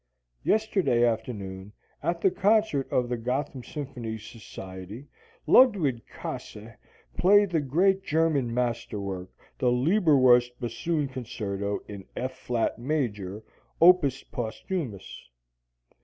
Yesterday afternoon, at the concert of the Gotham Symphony Society Ludwig Käse played that great German master work, the Leberwurst bassoon concerto in F flat major, opus posthumous.